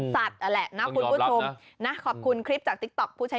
เฮ้ยเฮ้ยเฮ้ยเฮ้ยเฮ้ย